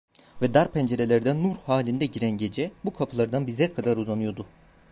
Ve dar pencerelerden nur halinde giren gece bu kapılardan bize kadar uzanıyordu.